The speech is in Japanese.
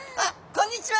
こんにちは。